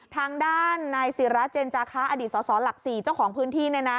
ทางด้านในศิรัทธ์เจนจาค้าอดีตสศหลัก๔เจ้าของพื้นที่